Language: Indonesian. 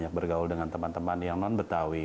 bergaul dengan teman teman yang non betawi